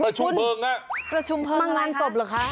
ประชุมเผิงฮะประชุมเผิงมังร้านศพเหรอคะ